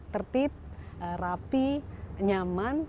tertib rapi nyaman